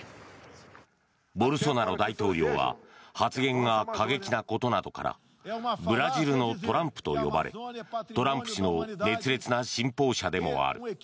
ボルソナロ大統領は発言が過激なことなどからブラジルのトランプと呼ばれトランプ氏の熱烈な信奉者でもある。